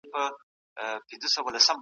ایا مسلکي بڼوال کاغذي بادام پروسس کوي؟